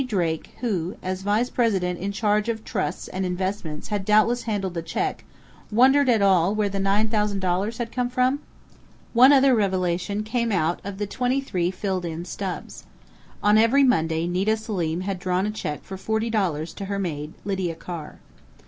Drake, who as vice president in charge of trusts and investments had doubtless handled the check, wondered at all where the $9,000 had come from? One other revelation came out of the twenty three filled in stubs. On every Monday Nita Selim had drawn a check for $40 to her maid, Lydia Carr.